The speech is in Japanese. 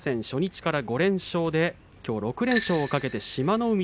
初日から５連勝できょう６連勝を懸けて志摩ノ